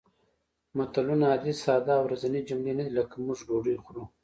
متلونه عادي ساده او ورځنۍ جملې نه دي لکه موږ ډوډۍ خورو